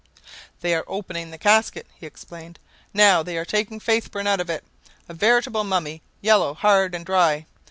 "They are opening the casket," he explained. "Now they are taking Faithburn out of it a veritable mummy, yellow, hard, and dry.